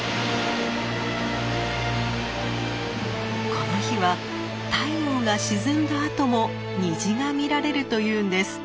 この日は太陽が沈んだあとも虹が見られるというんです。